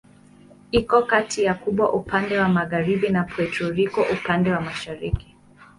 Iko kati ya Kuba upande wa magharibi na Puerto Rico upande wa mashariki.